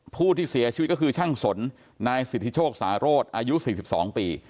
ผู้ที่เสียชีวิตก็คือช่างสนนายสิทธิโชคสารโรธอายุ๔๒ปี